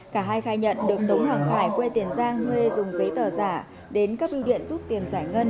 cả hai khai nhận được tống hoàng quê tiền giang thuê dùng giấy tờ giả đến các biêu điện rút tiền giải ngân